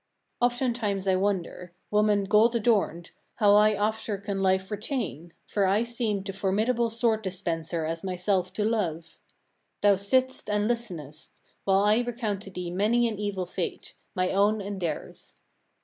33. Oftentimes I wonder, woman gold adorned! how I after can life retain; for I seemed the formidable sword dispenser as myself to love: 34. Thou sitst and listenest, while I recount to thee many an evil fate, my own and theirs."